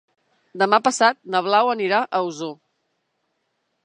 Demà passat na Blau anirà a Osor.